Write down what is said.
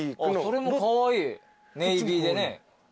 それもカワイイネイビーでね。